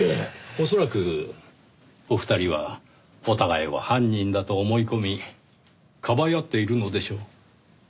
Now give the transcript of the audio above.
恐らくお二人はお互いを犯人だと思い込みかばい合っているのでしょう。